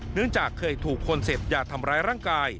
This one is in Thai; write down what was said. เนื่องจากเคยถูกคนเสพยาทำร้ายร่างกาย